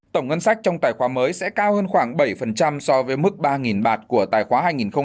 tổng ngân sách trong tài khoá mới sẽ cao hơn khoảng bảy so với mức ba bạt của tài khoá hai nghìn một mươi chín